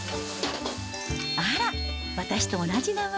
あらっ、私と同じ名前。